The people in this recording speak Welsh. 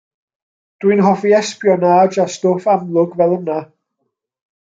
Dwi'n hoffi espionage a stwff amlwg fel yna.